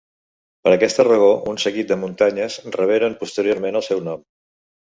Per aquesta raó, un seguit de muntanyes reberen posteriorment el seu nom.